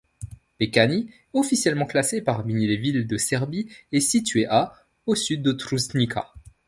Pećani, officiellement classée parmi les villes de Serbie, est située à au sud d’Ostružnica.